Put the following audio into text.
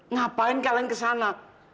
ngapain kalian kesana